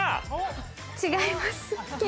違います。